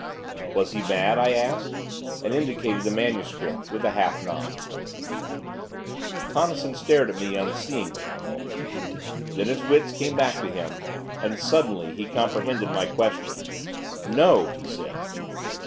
"Was he mad?" I asked, and indicated the MS., with a half nod. Tonnison stared at me, unseeingly, a moment; then, his wits came back to him, and, suddenly, he comprehended my question. "No!" he said.